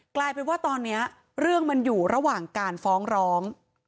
กลายเป็นว่าตอนนี้เรื่องมันอยู่ระหว่างการฟ้องร้อง